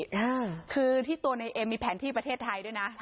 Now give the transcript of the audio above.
อ่าคือที่ตัวในเอ็มมีแผนที่ประเทศไทยด้วยนะ